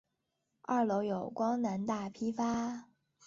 二楼有光南大批发。